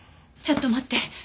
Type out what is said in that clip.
ちょっと待って。